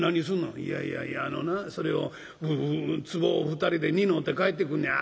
「いやいやいやあのなそれをつぼを２人で担うて帰ってくんねん」。